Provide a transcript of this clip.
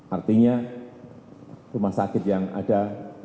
artinya rumah sakit yang ada